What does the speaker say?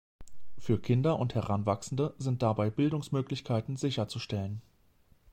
Für Kinder und Heranwachsende sind dabei Bildungsmöglichkeiten sicherzustellen.